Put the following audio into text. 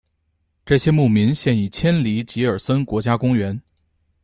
这些牧民现已迁离吉尔森林国家公园。